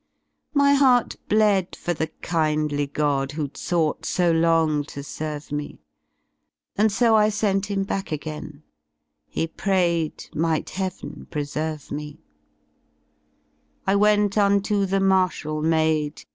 My heart bled for the kindly god Who^d sought so long to serve me. And so I sent him back again : He prayed '''Might heaven preserve me^'* I ivent unto the martial maid.